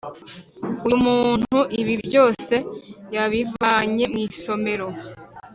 Uyu muntu ibi byose yabivanye mw’isomero